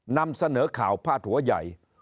นำเสนอข่าวพาดหัวใหญ่